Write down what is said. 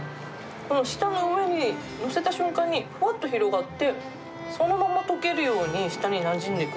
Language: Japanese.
舌の上に載せた瞬間にふわっと広がって、そのまま溶けるように、舌になじんでいく。